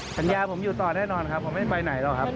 สัญญาผมอยู่ต่อแน่นอนครับผมไม่ไปไหนหรอกครับ